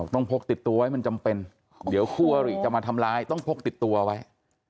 พกติดตัวไว้มันจำเป็นเดี๋ยวคู่อริจะมาทำร้ายต้องพกติดตัวไว้